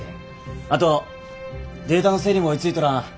あとデータの整理も追いついとらん。